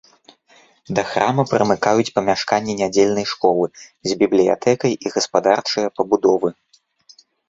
Да храма прымыкаюць памяшканні нядзельнай школы з бібліятэкай і гаспадарчыя пабудовы.